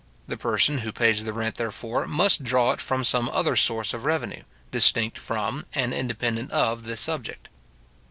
The person who pays the rent, therefore, must draw it from some other source of revenue, distinct from and independent of this subject.